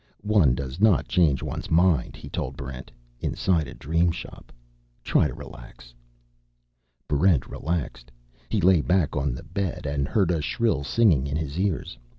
"One does not change one's mind," he told Barrent, "inside a Dream Shop. Try to relax...." Barrent relaxed. He lay back on the bed, and heard a shrill singing in his ears.